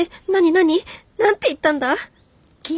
何て言ったんだ！？